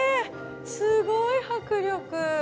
すごい迫力。